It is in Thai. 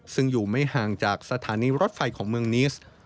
ซึ่งอยู่ไม่ห่างจากสถานีรถไฟของเมืองนิสต์